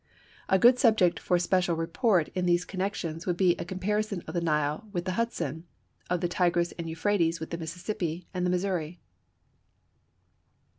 A good subject for special report in these connections would be a comparison of the Nile with the Hudson; of the Tigris and Euphrates with the Mississippi and the Missouri.